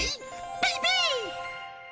ベイベー。